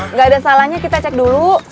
nggak ada salahnya kita cek dulu